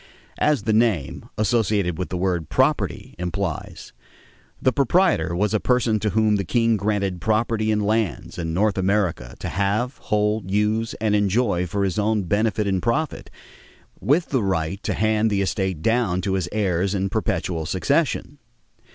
As the name, associated with the word "property," implies, the proprietor was a person to whom the king granted property in lands in North America to have, hold, use, and enjoy for his own benefit and profit, with the right to hand the estate down to his heirs in perpetual succession.